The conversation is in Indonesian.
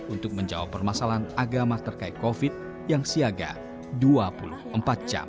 untuk menjawab permasalahan agama terkait covid yang siaga dua puluh empat jam